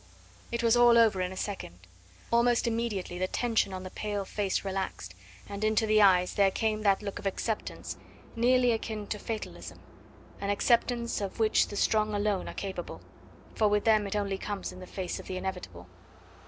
It was all over in a second; almost immediately the tension on the pale face relaxed, and into the eyes there came that look of acceptance nearly akin to fatalism an acceptance of which the strong alone are capable, for with them it only comes in the face of the inevitable.